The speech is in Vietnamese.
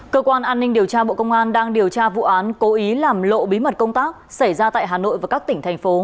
cơ quan an ninh điều tra bộ công an đang điều tra vụ án cố ý làm lộ bí mật công tác xảy ra tại hà nội và các tỉnh thành phố